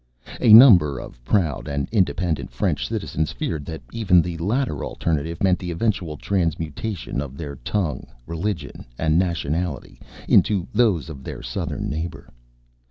_ _A number of proud and independent French citizens feared that even the latter alternative meant the eventual transmutation of their tongue, religion and nationality into those of their southern neighbor.